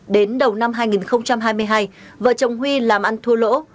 đến đầu năm hai nghìn hai mươi hai vợ chồng huy làm ăn thua lỗ